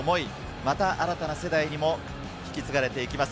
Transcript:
また新たな世代にも引き継がれていきます。